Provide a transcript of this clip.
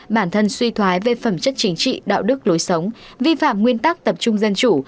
bản thân suy thoái về phẩm chất chính trị đạo đức lối sống vi phạm nguyên tắc tập trung dân chủ